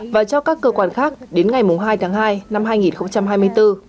và cho các cơ quan khác đến ngày hai tháng hai năm hai nghìn hai mươi bốn